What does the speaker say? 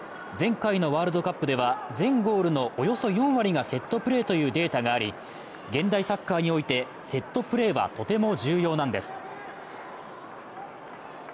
前回のワールドカップでは全ゴールのおよそ４割がセットプレーというデータがあり、現代サッカーにおいてセットプレーはとても重要なんです。